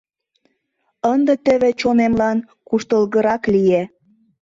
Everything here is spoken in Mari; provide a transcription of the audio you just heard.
Ынде теве чонемлан куштылгырак лие.